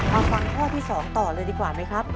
ฟังข้อที่๒ต่อเลยดีกว่าไหมครับ